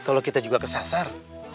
kalau kita juga kesasar